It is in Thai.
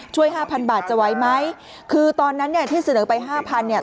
ช่วย๕๐๐๐บาทจะไว้ไหมคือตอนนั้นเนี่ยที่เสนอไป๕๐๐๐บาทเนี่ย